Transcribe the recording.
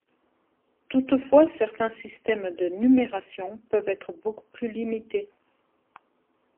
Toutefois, certains systèmes de numération peuvent être beaucoup plus limités.